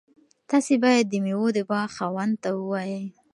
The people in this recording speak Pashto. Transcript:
تاسي باید د میوو د باغ خاوند ته ووایئ.